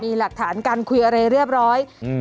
มีหลักฐานการคุยอะไรเรียบร้อยอืม